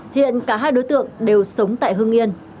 hiện cả hai đối tượng đều có tổng số năm bốn trăm bốn mươi bao thuốc lá điếu